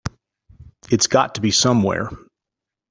It's got to be somewhere.